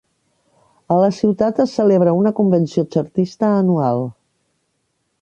A la ciutat es celebra una "Convenció Chartista" anual.